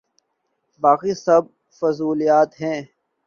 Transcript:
باقی سب فضولیات ہیں۔